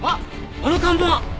あの看板！